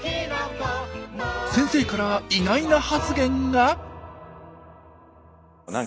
先生から意外な発言が！？